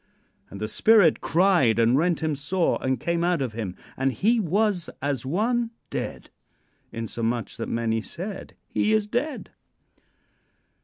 "And the spirit cried, and rent him sore, and came out of him; and he was as one dead; insomuch that many said, 'He is dead.'"